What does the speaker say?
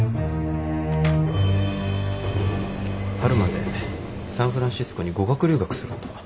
春までサンフランシスコに語学留学するんだ。